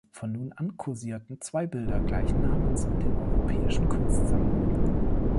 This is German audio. Von nun an kursierten zwei Bilder gleichen Namens in den europäischen Kunstsammlungen.